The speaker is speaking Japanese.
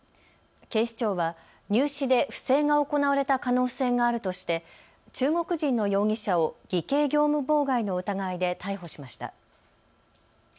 警視庁は入試で不正が行われた可能性があるとして中国人の容疑者を偽計業務妨害の疑いで逮捕しました。